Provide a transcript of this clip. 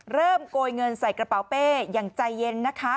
โกยเงินใส่กระเป๋าเป้อย่างใจเย็นนะคะ